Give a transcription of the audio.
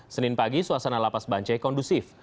senin pagi suasana lapas bancai kondusif